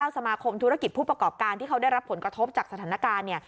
สมาคมธุรกิจผู้ประกอบการที่เขาได้รับผลกระทบจากสถานการณ์เนี่ย